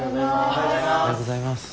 おはようございます。